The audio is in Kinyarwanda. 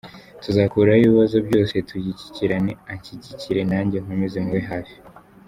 Tuzakuraho ibibazo byose dushyigikirane, anshyigikire nanjye nkomeze mube hafi.